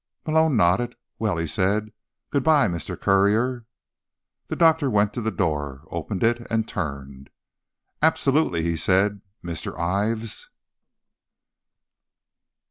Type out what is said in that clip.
Malone nodded. "Well," he said, "goodbye, Mr. Courier." The doctor went to the door, opened it and turned. "Absolutely," he said, "Mr. Ives."